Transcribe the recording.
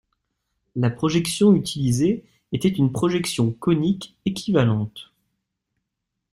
La projection utilisée était une projection conique équivalente.